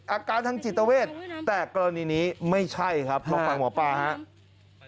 อาการทางจิตเวชแต่กรณีนี้ไม่ใช่ครับหมอปลาหมอปลาฮะ